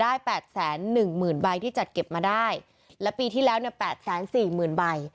แปดแสนหนึ่งหมื่นใบที่จัดเก็บมาได้และปีที่แล้วเนี่ยแปดแสนสี่หมื่นใบ